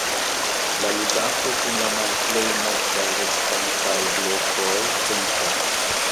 La ludanto kun la malplej multaj restantaj blokoj venkas.